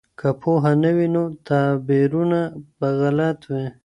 که پوهه نه وي نو تعبیرونه به غلط وي.